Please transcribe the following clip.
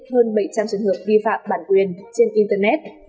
hơn bảy trăm linh trường hợp vi phạm bản quyền trên internet